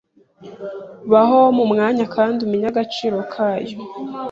Baho mumwanya kandi umenye agaciro kayo